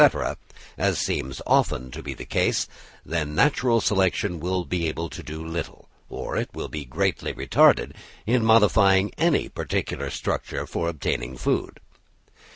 —as seems often to be the case, then natural selection will be able to do little, or will be greatly retarded, in modifying any particular structure for obtaining food.